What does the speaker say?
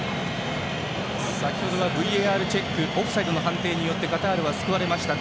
先ほどはＶＡＲチェックオフサイドの判定でカタールは救われました。